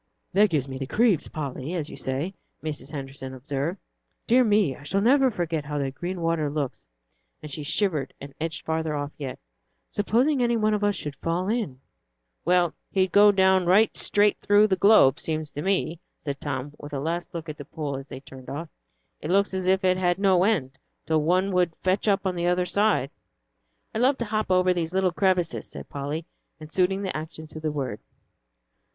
"That gives me the 'creeps,' Polly, as you say," Mrs. Henderson observed. "Dear me, I shall never forget how that green water looks;" and she shivered and edged off farther yet. "Supposing any one should fall in!" "Well, he'd go down right straight through the globe, seems to me," said Tom, with a last look at the pool as they turned off, "It looks as if it had no end, till one would fetch up on the other side." "I love to hop over these little crevasses," said Polly, and suiting the action to the word.